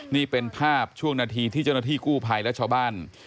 นี่เป็นภาพช่วงนาทีที่เจ้าหน้าที่กู้ภัยและชาวบ้าน